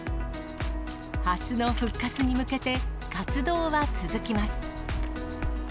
ハスの復活に向けて、活動は続きます。